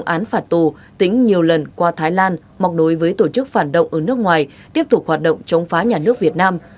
án phạt tù tính nhiều lần qua thái lan mọc đối với tổ chức phản động ở nước ngoài tiếp tục hoạt động chống phá nhà nước việt nam